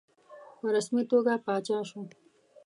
په رسمي توګه پاچا شو.